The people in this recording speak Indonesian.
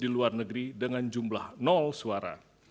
di luar negeri dengan jumlah suara